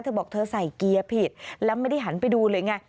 เธอบอกเธอใส่เกียร์ผิดแล้วไม่ได้หันไปดูเลยไง